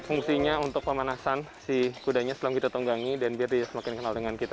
fungsinya untuk pemanasan si kudanya sebelum kita tunggangi dan biar dia semakin kenal dengan kita